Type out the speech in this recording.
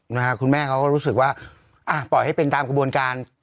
นะฮะคุณแม่เขาก็รู้สึกว่าอ่ะปล่อยให้เป็นตามกระบวนการ